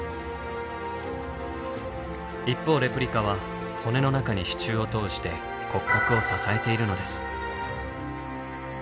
一方レプリカは骨の中に支柱を通して骨格を支えているのです。